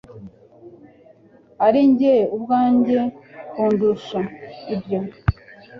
Ari njye ubwanjye kundusha. Ibyo